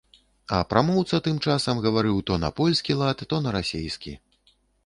А прамоўца тым часам гаварыў то на польскі лад, то на расейскі.